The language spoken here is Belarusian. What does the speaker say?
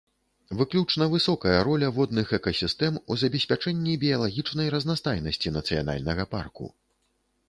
Выключна высокая роля водных экасістэм у забеспячэнні біялагічнай разнастайнасці нацыянальнага парку.